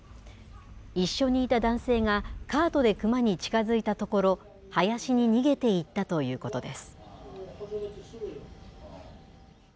一緒にいた男性がカートでクマに近づいたところ、林に逃げていったということです。